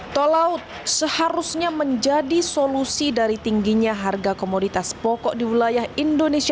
tol laut seharusnya menjadi solusi dari tingginya harga komoditas pokok di wilayah indonesia